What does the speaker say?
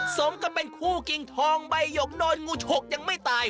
สมกับเป็นคู่กิ่งทองใบหยกโดนงูฉกยังไม่ตาย